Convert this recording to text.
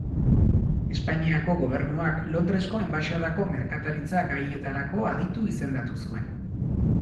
Espainiako gobernuak Londresko Enbaxadako merkataritza gaietarako aditu izendatu zuen.